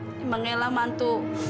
ini mengelaman tuh